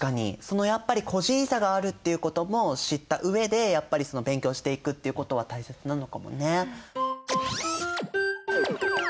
そのやっぱり個人差があるっていうことも知った上でやっぱり勉強していくっていうことは大切なのかもね。